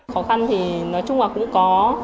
khó khăn thì nói chung là cũng có